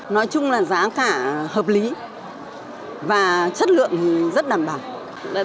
nói chung là giá cả hợp lý và chất lượng thì rất đảm bảo